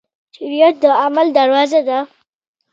جرئت د عمل دروازه ده.